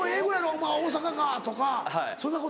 「お前大阪か」とかそんなこと言うのやろ？